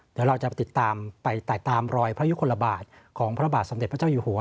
เดี๋ยวเราจะไปติดตามไปแตกตามรอยพระยุคลบาทของพระบาทสมเด็จพระเจ้าอยู่หัว